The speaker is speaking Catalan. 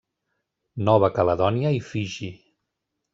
Nova Caledònia i Fiji.